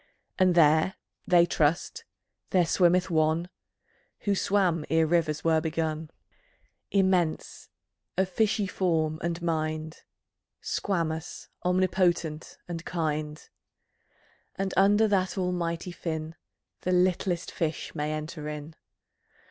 And there (they trust) there swimmeth One Who swam ere rivers were begun, Immense, of fishy form and mind, Squamous, omnipotent, and kind; And under that Almighty Fin, The littlest fish may enter in.